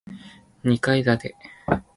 二階建て